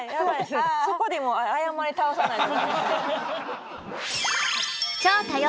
そこでもう謝り倒さないと。